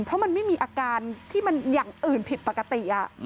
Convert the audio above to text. เพราะมันไม่มีอาการที่มันอย่างอื่นผิดปกติ